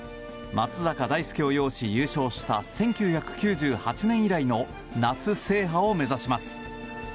松坂大輔を擁し優勝した１９９８年以来の夏制覇を目指します。